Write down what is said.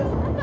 eh eh eh ibu